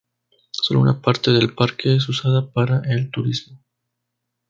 Sólo una parte del parque es usada para el turismo.